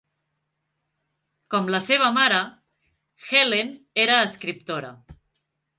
Com la seva mare, Helen era escriptora.